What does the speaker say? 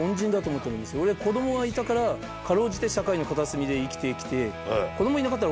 俺子供がいたから辛うじて社会の片隅で生きて来て。